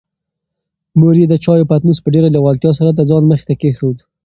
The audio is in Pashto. مور یې د چایو پتنوس په ډېرې لېوالتیا سره د ځان مخې ته کېښود.